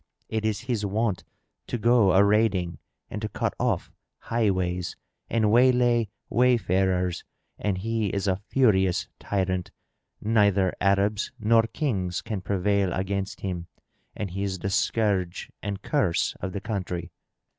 It is his wont to go a raiding and to cut off highways and waylay wayfarers and he is a furious tyrant; neither Arabs nor Kings can prevail against him and he is the scourge and curse of the country."